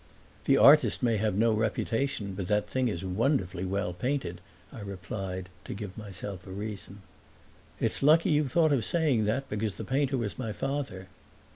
"The artist may have no reputation, but that thing is wonderfully well painted," I replied, to give myself a reason. "It's lucky you thought of saying that, because the painter was my father."